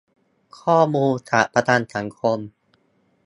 ข้อมูลจากประกันสังคม